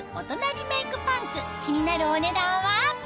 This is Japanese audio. リメイクパンツ気になるお値段は？